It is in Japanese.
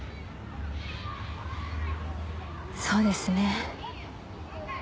そうですね。